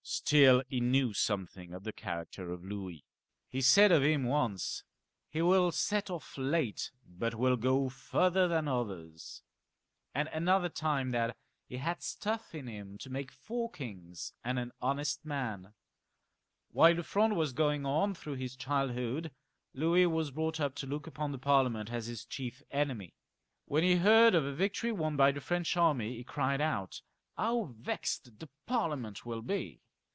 StiU he knew something of the character of Louis. He said of him once, " He will set off 336 LOUIS XIV. [CH. late, but will go farther than others ;" and another time, that ''he had stuff in him to make four kings and an honest man," While the Fronde was going on through his childhood, Louis was brought up to look upon the Parliament as his chief enemy. When he heard of a victory won by the French army, he cried out, " How vexed the Parliament will be